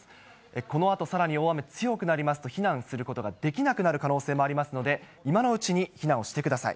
このあとさらに大雨強くなりますと、避難することができなくなる可能性もありますので、今のうちに避難をしてください。